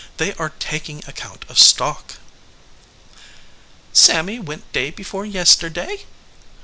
They are taking ac count of stock." "Sammy went day before yesterday?"